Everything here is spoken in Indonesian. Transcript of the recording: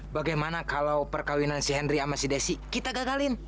bagaimana kalau perkawinan si hendry sama si desi kita gagalin